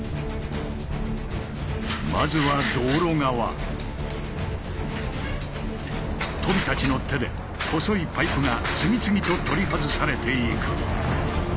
まずはとびたちの手で細いパイプが次々と取り外されていく。